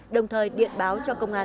đồng thời điện báo cho công an